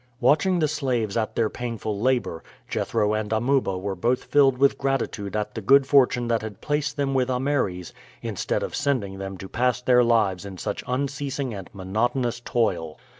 Watching the slaves at their painful labor, Jethro and Amuba were both filled with gratitude at the good fortune that had placed them with Ameres instead of sending them to pass their lives in such unceasing and monotonous toil.